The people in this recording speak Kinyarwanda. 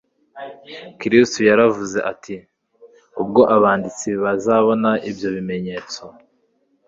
Kristo yaravuze ati: Ubwo abanditsi bazabona ibyo bimenyetso